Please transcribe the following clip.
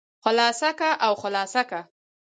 خلاصه که او خلاصه که.